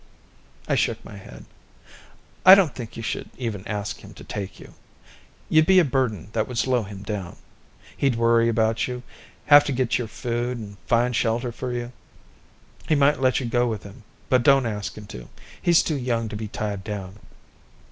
I shook my head. "I don't think you should even ask him to take you. You'd be a burden that would slow him down. He'd worry about you, have to get your food, find shelter for you. He might let you go with him, but don't ask him to. He's too young to be tied down.